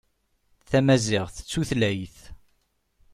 Tamaziɣt d tutlayt.